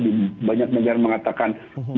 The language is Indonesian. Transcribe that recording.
di banyak negara mengatakan